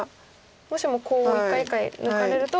もしもコウを一回一回抜かれると。